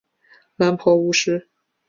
蓝袍巫师。